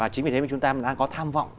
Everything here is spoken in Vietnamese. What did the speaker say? chính vì thế chúng ta đang có tham vọng